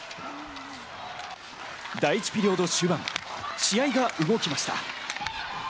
第１ピリオド終盤、試合が動きました。